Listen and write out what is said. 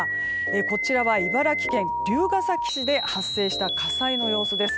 こちらは、茨城県龍ケ崎市で発生した火災の様子です。